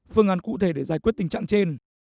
phương án cụ thể để giải quyết tình trạng trên